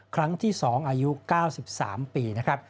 ครั้งที่๒อายุ๙๓ปีนะครับ